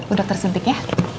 udah tersuntik ya